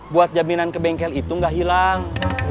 buat jaminan ke bengkel itu nggak hilang